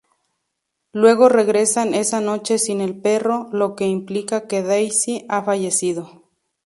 Luego regresan esa noche sin el perro, lo que implica que Daisy ha fallecido.